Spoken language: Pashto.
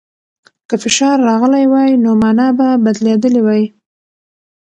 که فشار راغلی وای، نو مانا به بدلېدلې وای.